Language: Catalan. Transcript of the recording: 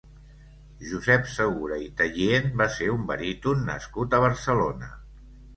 Josep Segura i Tallien va ser un baríton nascut a Barcelona.